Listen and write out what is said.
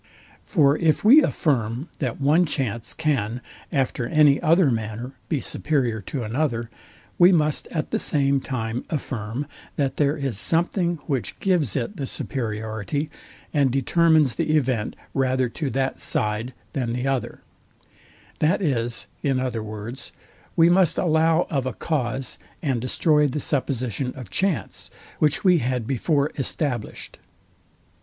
For if we affirm that one chance can, after any other manner, be superior to another, we must at the same time affirm, that there is something, which gives it the superiority, and determines the event rather to that side than the other: That is, in other words, we must allow of a cause, and destroy the supposition of chance; which we had before established.